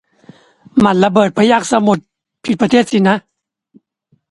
หมัดระเบิดพยัคฆ์สมุทร ผิดประเทศสินะ